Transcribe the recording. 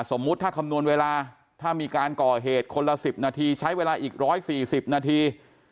สมมุติถ้าคำนวณเวลาถ้ามีการก่อเหตุคนละ๑๐นาทีใช้เวลาอีก๑๔๐นาที